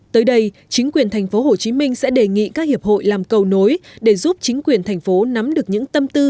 tới đây chính quyền tp hcm sẽ đề nghị các hiệp hội làm cầu nối để giúp chính quyền thành phố nắm được những tâm tư